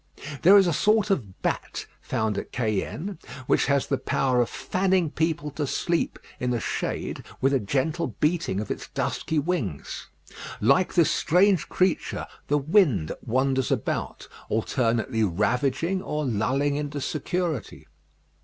There is a sort of bat found at Cayenne, which has the power of fanning people to sleep in the shade with a gentle beating of its dusky wings. Like this strange creature the wind wanders about, alternately ravaging or lulling into security.